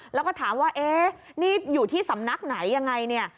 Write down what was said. แล้วก็ถามว่านี่อยู่ที่สำนักไหนอย่างไร